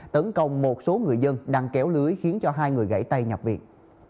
tấn công một số người dân đang kéo lưới khiến cho hai người gãy tay nhập viện